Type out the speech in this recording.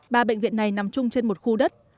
ba bệnh viện này nằm chung trên một khu đất